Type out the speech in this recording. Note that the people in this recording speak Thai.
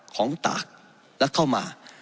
ของตากและเข้ามา